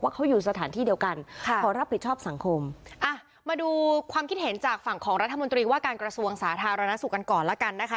เขาอยู่สถานที่เดียวกันค่ะขอรับผิดชอบสังคมอ่ะมาดูความคิดเห็นจากฝั่งของรัฐมนตรีว่าการกระทรวงสาธารณสุขกันก่อนแล้วกันนะคะ